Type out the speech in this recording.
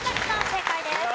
正解です。